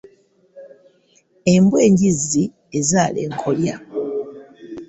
Embwa engizzi ezaala enkolya.